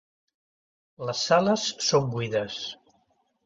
Les sales són buides.